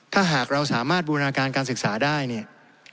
ถ้าหากเราสามารถบูรณาการการศึกษาได้เนี่ย